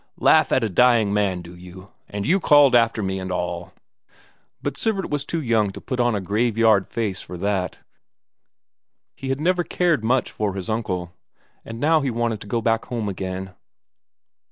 Laugh at a dying man, do you, and you called after me and all!" But Sivert was too young to put on a graveyard face for that; he had never cared much for his uncle. And now he wanted to get back home again.